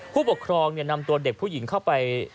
ผู้ปกครองนำตัวเด็กผู้หญิงเข้าไป